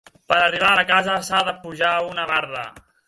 Per arribar a la casa, s'ha de pujar una barda.